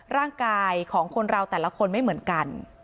ร่างกายของคนเราแต่ละคนไม่เหมือนกัน